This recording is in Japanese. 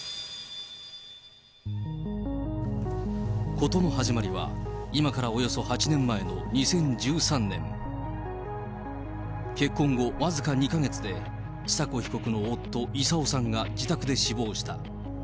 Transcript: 事の始まりは、今からおよそ８年前の２０１３年、結婚後、僅か２か月で、千佐子被告の夫、勇夫さんが自宅で死亡した。